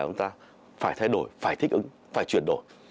chúng ta phải thay đổi phải thích ứng phải chuyển đổi